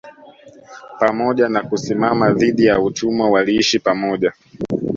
Pamoja na kusimama dhidi ya utumwa waliishi pamoja